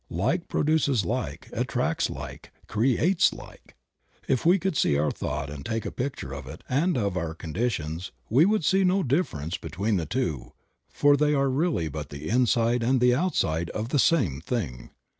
Like produces like, attracts like, creates like. If we could see our thought and take a picture of it and of our condi tions we would see no difference between the two, for they are really but the inside and the outside of the same thing.